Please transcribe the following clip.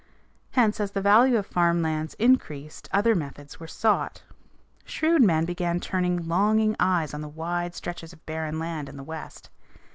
Hence, as the value of farm lands increased other methods were sought. Shrewd men began to turn longing eyes on the wide stretches of barren land in the West.